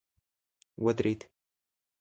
ودريد.